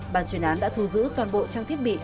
bản chuyển án đã thu giữ toàn bộ trang thiết bị